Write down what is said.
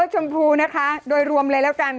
ชมพูนะคะโดยรวมเลยแล้วกัน